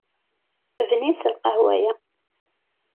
Bninet lqahwa-ya.